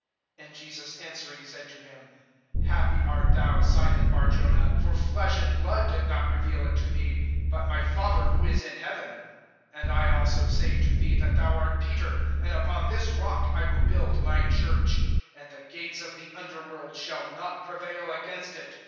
(17)And Jesus answering said to him: Happy art thou, Simon Bar jonah[16:17]; for flesh and blood did not reveal it to thee, but my Father who is in heaven. (18)And I also say to thee, that thou art Peter[16:18a], and upon this rock I will build my church[16:18b]; and the gates of the underworld shall not prevail against it.